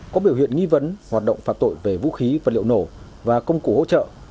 có biểu hiện nghi vấn hoạt động phạm tội về vũ khí vật liệu nổ và công cụ hỗ trợ